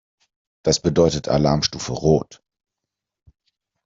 Das bedeutet Alarmstufe Rot.